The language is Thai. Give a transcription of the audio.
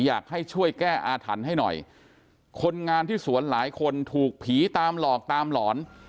อยากให้ช่วยแก้อาถรรพ์ให้หน่อยคนงานที่สวนหลายคนถูกผีตามหลอกตามหลอน